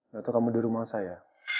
gatot kamu di rumah saya